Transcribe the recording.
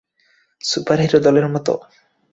Superhero দলের মতো?